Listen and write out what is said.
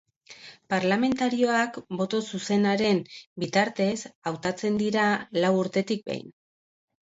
Parlamentarioak boto zuzenaren bitartez hautatzen dira lau urtetik behin.